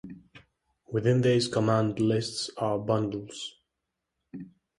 Within these command lists are bundles.